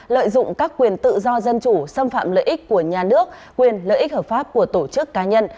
lợi dụng các quyền tự do dân chủ xâm phạm lợi ích của nhà nước quyền lợi ích hợp pháp của tổ chức cá nhân